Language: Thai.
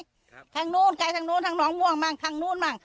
ทางนู้นไกลทางนู้นทางน้องม่วงบ้างทางนู้นบ้าง